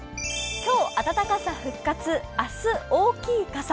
今日暖かさ復活明日大きい傘。